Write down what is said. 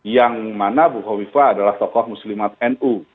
yang mana bukowifah adalah tokoh muslimat nu